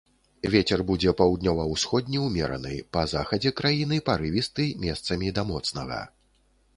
Вецер будзе паўднёва-ўсходні ўмераны, па захадзе краіны парывісты, месцамі да моцнага.